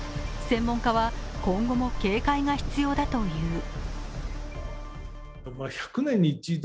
専門家は今後も警戒が必要だという。